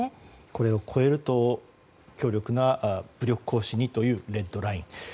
これを超えると強力な武力行使にというデッドライン。